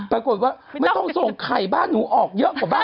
ปรากฏว่าไม่ต้องส่งไข่บ้านหนูออกเยอะ